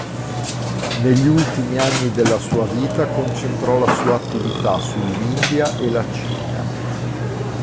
Negli ultimi anni della sua vita concentrò la sua attività sull'India e la Cina.